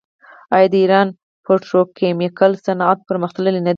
آیا د ایران پتروکیمیکل صنعت پرمختللی نه دی؟